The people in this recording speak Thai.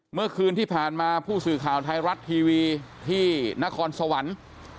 เมื่อคืนที่ผ่านมาผู้สื่อข่าวไทยรัฐทีวีที่นครสวรรค์